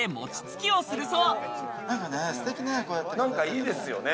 いいですね！